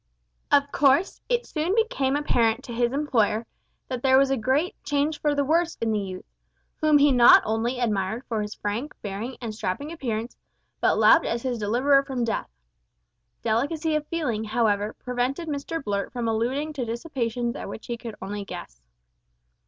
Of course, it soon became apparent to his employer that there was a great change for the worse in the youth, whom he not only admired for his frank bearing and strapping appearance, but loved as his deliverer from death. Delicacy of feeling, however, prevented Mr Blurt from alluding to dissipations at which he could only guess.